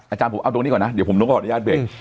อาจารย์ผมเอาตรงนี้ก่อนนะเดี๋ยวผมต้องขออนุญาตเบรก